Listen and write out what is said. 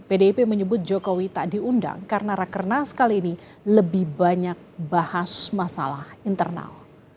pdip menyebut jokowi tak diundang karena rakernas kali ini lebih banyak bahas masalah internal